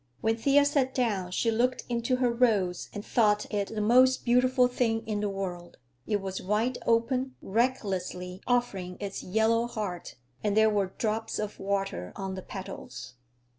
When Thea sat down she looked into her rose and thought it the most beautiful thing in the world; it was wide open, recklessly offering its yellow heart, and there were drops of water on the petals.